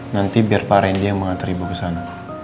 nanti biar pak randy yang mengantar ibu ke sana